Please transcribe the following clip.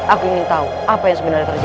aku ingin tahu apa yang terjadi di dalam rumahmu